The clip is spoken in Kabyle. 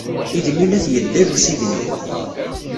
Igenni la t-yeddal usigna.